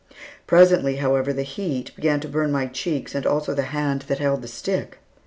Presently, however, the heat began to burn my cheeks and also the hand that held the stick.